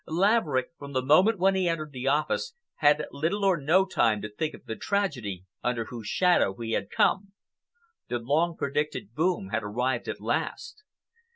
Laverick, from the moment when he entered the office, had little or no time to think of the tragedy under whose shadow he had come. The long predicted boom had arrived at last.